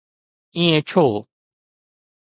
ائين ڇو؟